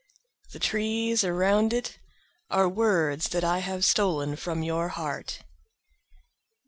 The trees around itAre words that I have stolen from your heart.